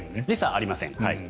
時差ありません。